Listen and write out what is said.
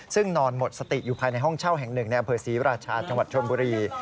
ซึ่งนอนหมดสติอยู่ภายในห้องเช่าแห่งหนึ่งในอำเภอศรีราชาจังหวัดชนบุรี